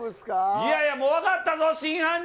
いやいやもう、分かったぞ、真犯人、